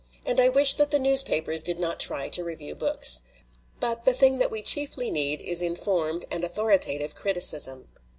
And I wish that the newspapers did not try to review books. But the thing that we chiefly need is informed and au thoritative criticism.